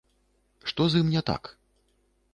Што з ім не так?